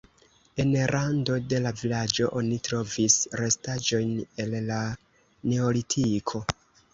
En rando de la vilaĝo oni trovis restaĵojn el la neolitiko.